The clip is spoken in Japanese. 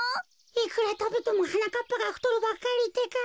いくらたべてもはなかっぱがふとるばっかりってか。